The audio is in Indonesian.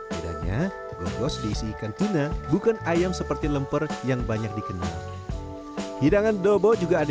kiranya gobos diisi ikan kina bukan ayam seperti lemper yang banyak dikenal hidangan dobo juga ada